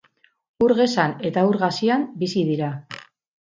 Ur gezan eta ur gazian bizi dira.